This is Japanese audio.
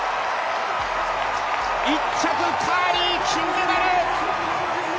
１着、カーリー、金メダル！